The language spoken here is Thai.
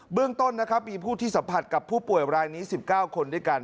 เรื่องต้นนะครับมีผู้ที่สัมผัสกับผู้ป่วยรายนี้๑๙คนด้วยกัน